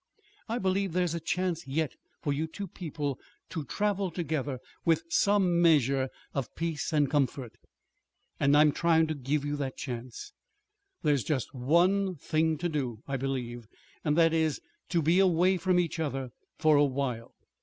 I believe there's a chance yet for you two people to travel together with some measure of peace and comfort, and I'm trying to give you that chance. There's just one thing to do, I believe, and that is to be away from each other for a while.